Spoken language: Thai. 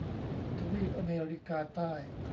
ทวีปอเมริกาใต้